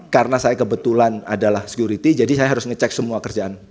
karena saya kebetulan adalah security jadi saya harus ngecek semua kerjaan